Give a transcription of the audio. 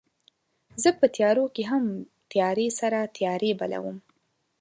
زه په تیارو کې هم تیارې سره تیارې بلوم